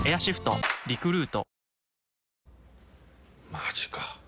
マジか。